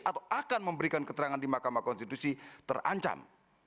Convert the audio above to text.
atau akan memberikan keterangan di mahkamah konstitusi terancam